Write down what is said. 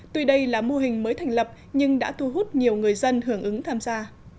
tuy đây là mô hình mới thành lập nhưng đã thu hút nhiều người dân hưởng ứng tham gia